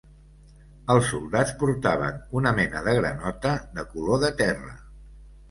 Els soldats portaven una mena de granota de color de terra